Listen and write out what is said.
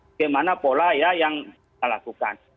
bagaimana pola yang kita lakukan